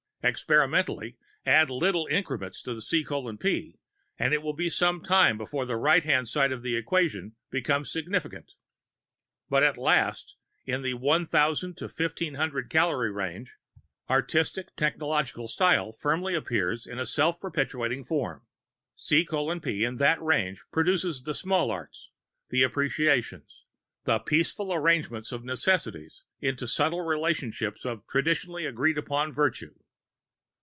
Experimentally, add little increments to C:P and it will be some time before the right hand side of the equation becomes significant. But at last, in the 1,000 to 1,500 calorie range, Artistic Technological Style firmly appears in self perpetuating form. C:P in that range produces the small arts, the appreciations, the peaceful arrangements of necessities into subtle relationships of traditionally agreed upon virtue.